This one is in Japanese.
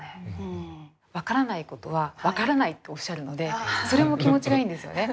分からないことは分からないっておっしゃるのでそれも気持ちがいいんですよね。